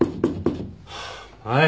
はい！